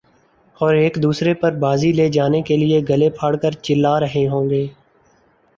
اور ایک دوسرے پر بازی لے جانے کیلئے گلے پھاڑ کر چلا رہے ہوں گے